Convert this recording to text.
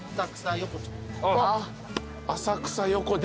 浅草横町。